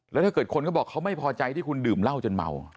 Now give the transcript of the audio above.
แล้วถ้าเกิดคนเขาบอกเขาไม่พอใจที่คุณดื่มเหล้าจนเมา